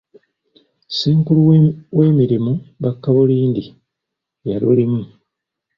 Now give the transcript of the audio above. Ssenkulu w'emirimu Bakabulindi yalulimu.